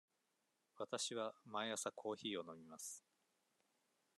わたしは毎朝コーヒーを飲みます。